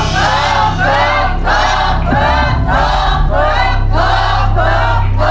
ค่อคือค่อคือค่อคือค่อคือ